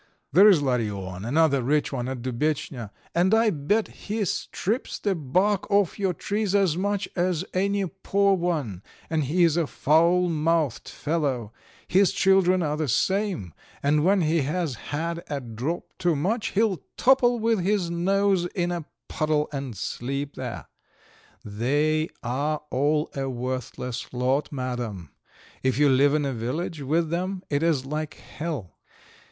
There's Larion, another rich one at Dubetchnya, and I bet he strips the bark off your trees as much as any poor one; and he is a foul mouthed fellow; his children are the same, and when he has had a drop too much he'll topple with his nose in a puddle and sleep there. They are all a worthless lot, Madam. If you live in a village with them it is like hell.